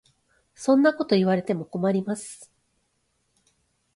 そんなこと言われても困ります。